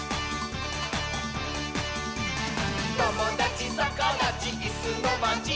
「ともだちさかだちいすのまち」